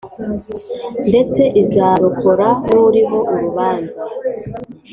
Ndetse izarokora n uriho urubanza